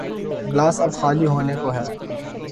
Glass اب خالی ہونے کو ہے۔